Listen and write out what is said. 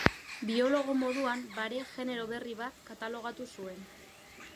Biologo moduan bare genero berri bat katalogatu zuen.